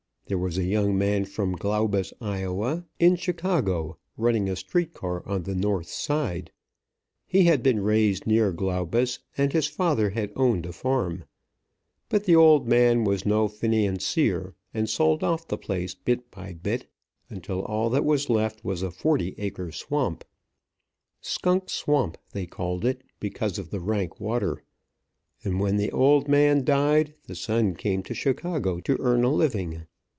There was a young man from Glaubus, Ia., in Chicago, running a street car on the North Side. He had been raised near Glaubus, and his father had owned a farm; but the old man was no financier, and sold off the place bit by bit, until all that was left was a forty acre swamp, "Skunk Swamp," they called it, because of the rank water, and when the old man died, the son came to Chicago to earn a living.